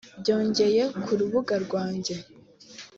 byongeye ku rubuga rwanjye